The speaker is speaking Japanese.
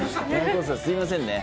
すみません。